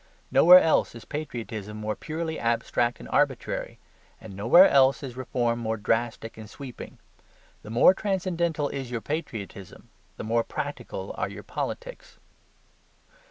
Nowhere else is patriotism more purely abstract and arbitrary; and nowhere else is reform more drastic and sweeping. The more transcendental is your patriotism, the more practical are your politics.